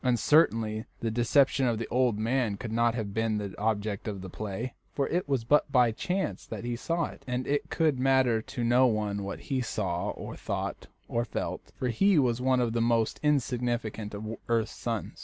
And certainly the deception of the old man could not have been the object of the play, for it was but by chance that he saw it, and it could matter to no one what he saw or thought or felt, for he was one of the most insignificant of earth's sons.